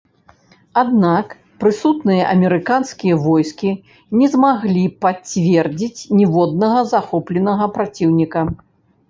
Аднак прысутныя амерыканскія войскі не змаглі пацвердзіць ніводнага захопленага праціўніка.